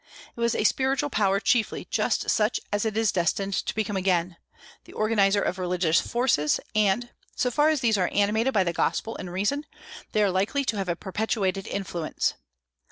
It was a spiritual power chiefly, just such as it is destined to become again, the organizer of religious forces; and, so far as these are animated by the gospel and reason, they are likely to have a perpetuated influence.